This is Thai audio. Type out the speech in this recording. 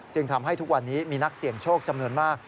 ทำให้ทุกวันนี้มีนักเสี่ยงโชคจำนวนมาก